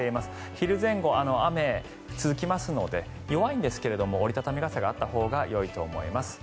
昼前後、雨、続きますので弱いんですが折り畳み傘があったほうがよいと思います。